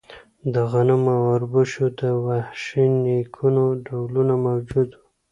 د غنمو او اوربشو د وحشي نیکونو ډولونه موجود وو.